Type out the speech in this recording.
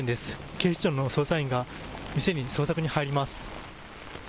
警視庁の捜査員が店に捜索に入ります。